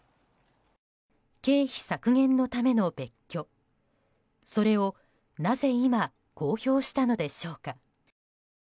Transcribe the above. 経費削減のための別居それをなぜ今、公表したのでしょうか。